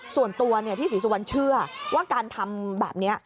ส่วนตัวพี่ศรีสุวรรณเชื่อว่าการทำแบบนี้